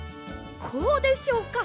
こうでしょうか？